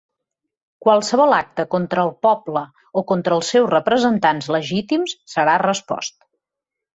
Qualsevol acte contra el poble o contra els seus representants legítims serà respost.